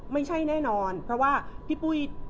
ไม่ใช่แน่นอนเพราะว่าพี่ปุ้ย